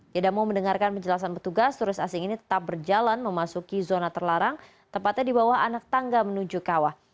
tidak mau mendengarkan penjelasan petugas turis asing ini tetap berjalan memasuki zona terlarang tepatnya di bawah anak tangga menuju kawah